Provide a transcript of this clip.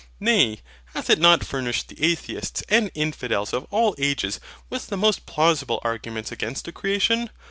Nay, hath it not furnished the atheists and infidels of all ages with the most plausible arguments against a creation?